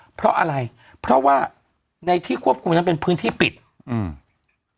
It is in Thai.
เพราะอะไรเพราะว่าในที่ควบคุมนั้นเป็นพื้นที่ปิดอืม